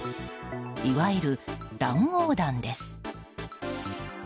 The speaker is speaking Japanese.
いわゆる乱横断です。